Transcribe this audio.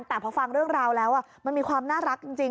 แต่พอฟังเรื่องราวแล้วมันมีความน่ารักจริง